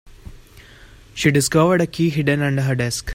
She discovered a key hidden under her desk.